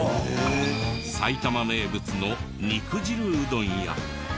埼玉名物の肉汁うどんや。